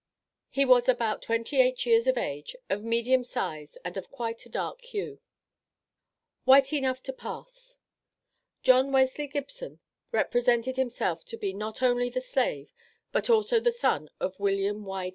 He was about twenty eight years of age, of medium size, and of quite a dark hue. "WHITE ENOUGH TO PASS." John Wesley Gibson represented himself to be not only the slave, but also the son of William Y.